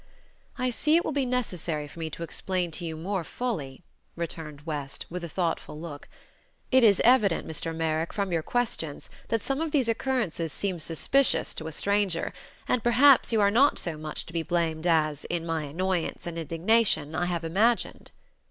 "I see it will be necessary for me to explain to you more fully," returned West, with a thoughtful look. "It is evident, Mr. Merrick, from your questions, that some of these occurrences seem suspicious to a stranger, and perhaps you are not so much to be blamed as, in my annoyance and indignation, I have imagined."